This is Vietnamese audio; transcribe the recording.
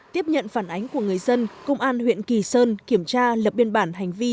tiếp nhận phản ánh của người dân công an huyện kỳ sơn kiểm tra lập biên bản hành vi